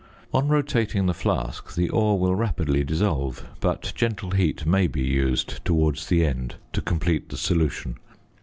On rotating the flask the ore will rapidly dissolve, but gentle heat may be used towards the end to complete the solution.